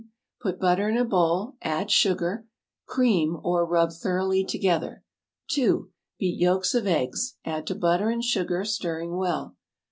Put butter in a bowl; add sugar. "Cream" or rub thoroughly together. 2. Beat yolks of eggs. Add to butter and sugar, stirring well.